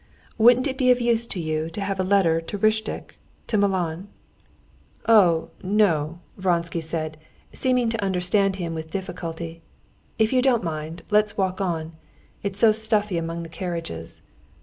"Wouldn't it be of use to you to have a letter to Ristitch—to Milan?" "Oh, no!" Vronsky said, seeming to understand him with difficulty. "If you don't mind, let's walk on. It's so stuffy among the carriages.